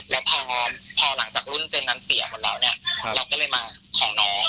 แล้วพอหลังจากรุ่นเจอนันเสียหมดแล้วเนี่ยเราก็เลยมาของน้อง